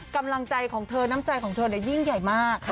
กำลังใจของเธอน้ำใจของเธอยิ่งใหญ่มาก